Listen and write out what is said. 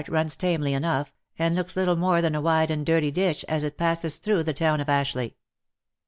runs tamely enough, and looks little more than a wide and dirty ditch, as it passes through the town of Ashleigh.